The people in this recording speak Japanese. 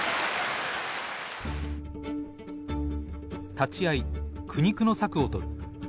立ち合い苦肉の策をとる。